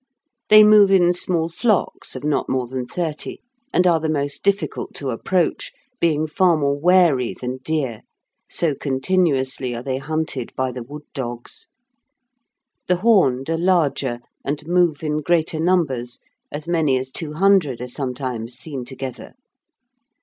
They move in small flocks of not more than thirty, and are the most difficult to approach, being far more wary than deer, so continuously are they hunted by the wood dogs. The horned are larger, and move in greater numbers; as many as two hundred are sometimes seen together.